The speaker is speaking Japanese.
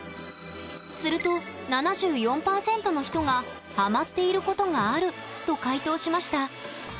すると７４％の人がハマっていることがあると回答しました。